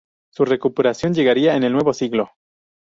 Su recuperación llegaría con el nuevo siglo.